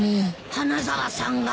花沢さんが？